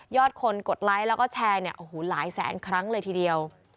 ยอดคนกดไลค์แล้วก็แชร์หลายแสนครั้งเลยทีเดียว